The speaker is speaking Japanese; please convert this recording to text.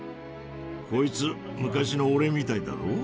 こいつ昔の俺みたいだろ？